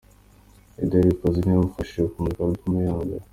Ida Records niyo yamufashije kumurika album ya mbere.